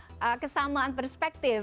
sehingga tidak ada kesamaan perspektif